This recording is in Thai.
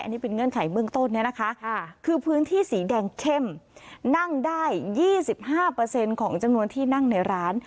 อันนี้เป็นเงื่อนไขเบื้องต้นเนี่ยนะคะคือพื้นที่สีแดงเข้มนั่งได้๒๕ของจำนวนที่นั่งในร้าน